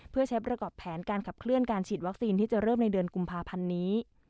เพื่อใช้ประกอบแผนการขับเคลื่อนการฉีดวัคซีนที่จะเริ่มในเดือนกุมภาพันธ์นี้